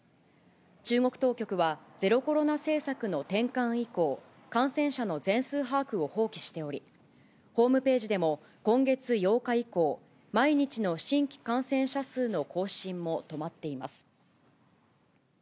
中国当局は、ゼロコロナ政策の転換以降、感染者の全数把握を放棄しており、ホームページでも今月８日以降、毎日の新規感染者数の更新も止まっています。